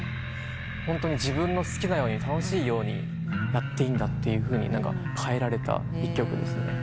ホントに自分の好きなように楽しいようにやっていいんだと変えられた一曲ですね。